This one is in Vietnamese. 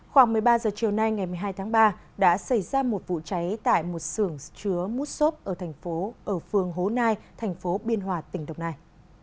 khoảng một mươi ba h chiều nay ngày một mươi hai tháng ba đã xảy ra một vụ cháy tại một xưởng chứa mút sốp ở phường hố nai thành phố biên hòa tỉnh đồng nai